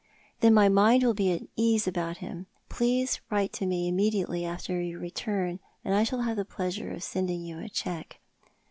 " Then my mind will be at ease about him. Please write to me immediately after your return, and I shall have the pleasure of sending you a cheque."